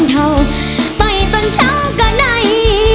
ไปตอนเช้าก็ได้